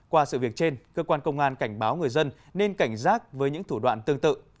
qua sự việc trên cơ quan công an cảnh báo người dân nên cảnh giác với những thủ đoạn tương tự